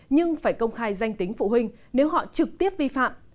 nhưng phải công khai danh tính phụ huynh nếu họ trực tiếp vi phạm